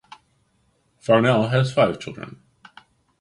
Farnell has five children.